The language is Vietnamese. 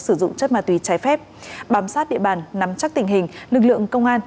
sử dụng chất ma túy trái phép bám sát địa bàn nắm chắc tình hình lực lượng công an